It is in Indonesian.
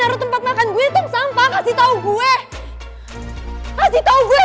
gile kapankingan tersilarisnya